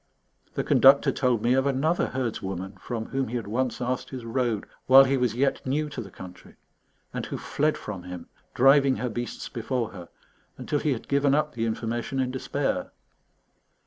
The Conductor told me of another herdswoman from whom he had once asked his road while he was yet new to the country, and who fled from him, driving her beasts before her, until he had given up the information in despair.